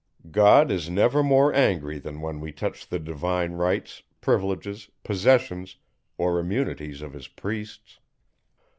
God is never more angry than when we touch the divine rights, privileges, possessions, or immunities of his priests.